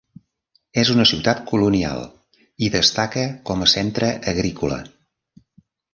És una ciutat colonial i destaca com a centre agrícola.